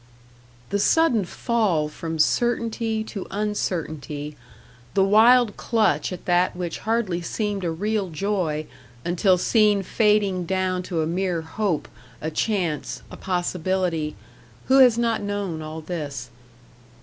The sudden fall from certainty to uncertainty the wild clutch at that which hardly seemed a real joy until seen fading down to a mere hope, a chance, a possibility who has not known all this?